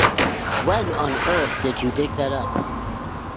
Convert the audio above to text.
Where on earth did you dig that up?